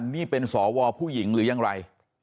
นี่เป็นสวผู้หญิงหรือยังไร